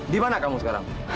di mana kamu sekarang